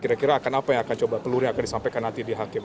kira kira akan apa yang akan coba pelurunya disampaikan nanti di hakim